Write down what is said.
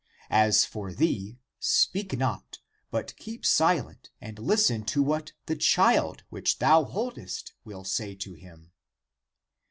As for thee, speak not, but keep silent and listen to what the child which thou boldest will say to him."